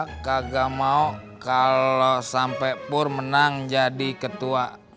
gw kagak mau kalo sampe pur menang jadi ketua